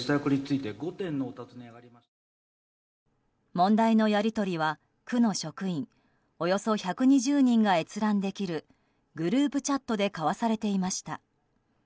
問題のやり取りは区の職員およそ１２０人が閲覧できるグループチャットで交わされていました。